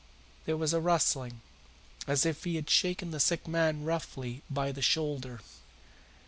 There was a rustling, as if he had shaken the sick man roughly by the shoulder.